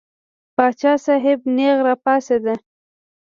پاچا صاحب نېغ را پاڅېد.